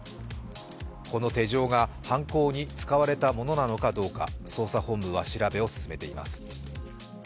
この手錠が犯行に使われたものなのかどうか、捜査本部は調べを進めています。